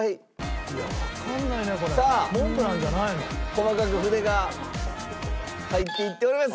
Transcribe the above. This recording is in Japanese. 細かく筆が入っていっております。